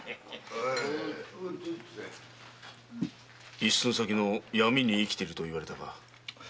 「一寸先の闇に生きている」と言われたが。